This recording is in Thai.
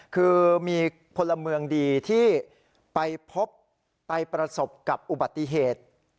คือมีพลเมืองดีที่ไปพบไปประสบกับอุบัติเหตุ